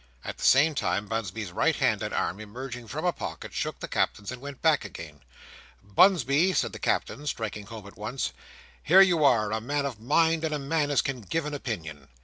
At the same time Bunsby's right hand and arm, emerging from a pocket, shook the Captain's, and went back again. "Bunsby," said the Captain, striking home at once, "here you are; a man of mind, and a man as can give an opinion.